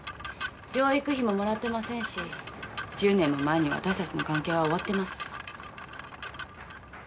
養育費ももらってませんし１０年も前に私たちの関係は終わってます。